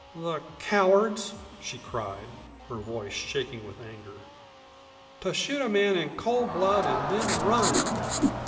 "The cowards!" she cried, her voice shaking with anger. "To shoot a man in cold blood and then run!"